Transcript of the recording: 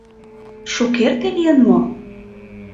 Шукерте лийын мо?